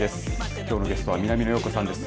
きょうのゲストは南野陽子さんです。